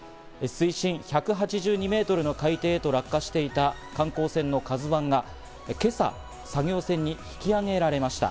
水深１８２メートルの海底へと落下していた観光船の「ＫＡＺＵ１」が今朝、作業船に引き揚げられました。